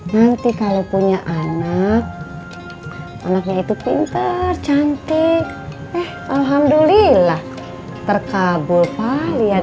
nanti kalau punya anak anaknya itu pinter cantik eh alhamdulillah terkabul pak lihat